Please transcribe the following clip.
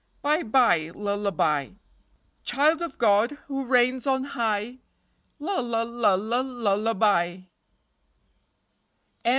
Bye, bye, lullaby; Child of God, who reigns on high; Lulla, lulla, lullaby.